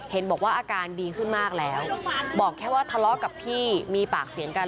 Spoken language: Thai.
เห็นบอกว่าอาการดีขึ้นมากแล้วบอกแค่ว่าทะเลาะกับพี่มีปากเสียงกัน